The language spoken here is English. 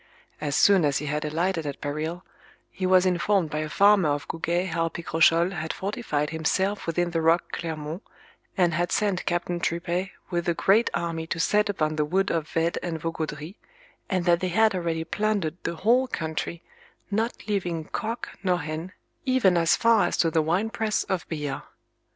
As soon as he had alighted at Parille, he was informed by a farmer of Gouguet how Picrochole had fortified himself within the rock Clermond, and had sent Captain Tripet with a great army to set upon the wood of Vede and Vaugaudry, and that they had already plundered the whole country, not leaving cock nor hen, even as far as to the winepress of Billard.